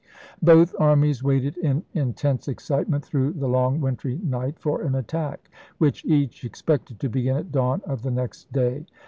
Both armies waited in intense excitement through the long wintry night for an attack, which each expected to begin at dawn of the next day.